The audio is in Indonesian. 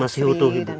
masih utuh bu